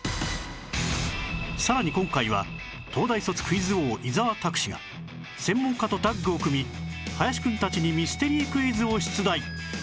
さらに今回は東大卒クイズ王伊沢拓司が専門家とタッグを組み林くんたちにミステリークイズを出題